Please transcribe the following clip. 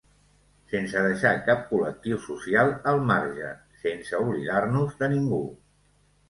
Sense deixar cap col·lectiu social al marge, sense oblidar-nos de ningú.